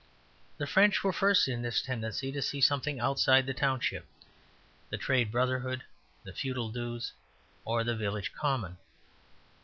The French were first in this tendency to see something outside the township, the trade brotherhood, the feudal dues, or the village common.